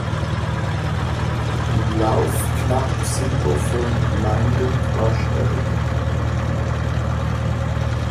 Lauf knapp Silber vor Lyndon Rush erringen.